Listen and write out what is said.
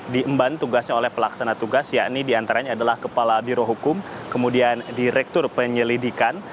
dan tugasnya oleh pelaksana tugas yakni diantaranya adalah kepala birohukum kemudian direktur penyelidikan